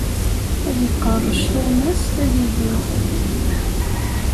Ad iqerrec tuɣmas, ad idub.